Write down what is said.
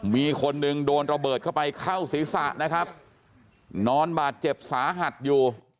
มีคนหนึ่งโดนระเบิดเข้าไปเข้าศีรษะนะครับนอนบาดเจ็บสาหัสอยู่